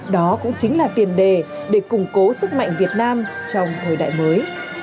đó cũng chính là tiền đề để củng cố sức mạnh việt nam trong thời đại mới